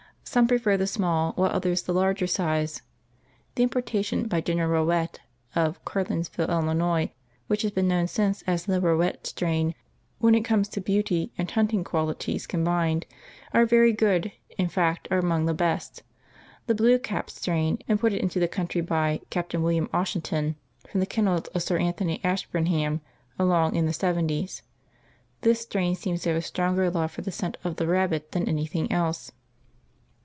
Some prefer the small, while others the larger size. The importation by General Rowett, of Carlinsville, Ill., which has been known since as the Rowett strain, when it comes to beauty and hunting qualities combined, are very good, in fact, are among the best. The blue cap strain imported into the country by Captain William Ausheton from the kennels of Sir Arthur Ashburnham along in the seventies. This strain seems to have a stronger love for the scent of the rabbit than anything else.